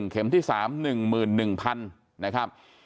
เข็มที่๓๑๑๐๐๐นะครับ